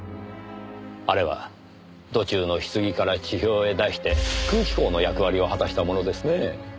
あれは土中の棺から地表へ出して空気孔の役割を果たしたものですねぇ。